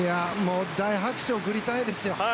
大拍手を送りたいですよ。